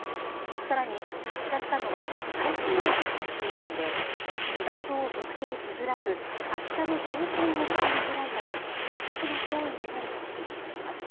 更に、発射したのは最新鋭の潜水艦で居場所を特定しづらく発射の兆候もつかみづらいため深刻な脅威になると指摘しています。